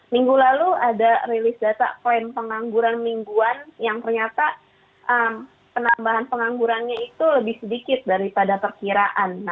minggu lalu ada rilis data klaim pengangguran mingguan yang ternyata penambahan penganggurannya itu lebih sedikit daripada perkiraan